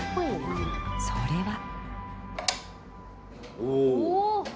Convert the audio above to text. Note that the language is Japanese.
それは。